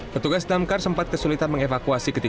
petugas damkar sempat kesulitan mengevakuasi